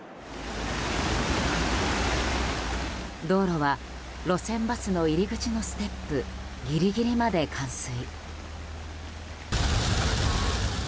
道路は路線バスの入り口のステップぎりぎりまで冠水。